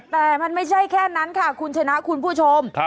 แต่มันไม่ใช่แค่นั้นค่ะคุณชนะคุณผู้ชม